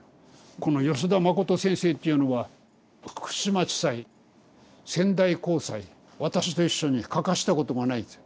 この吉田信先生っていうのは福島地裁仙台高裁私と一緒に欠かしたことがないんですよ。